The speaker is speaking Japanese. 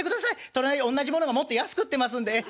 隣おんなじものがもっと安く売ってますんでええ。